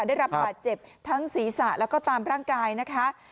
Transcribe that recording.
ได้รับบาดเจ็บทั้งศีรษะแล้วก็ตามร่างกายนะคะ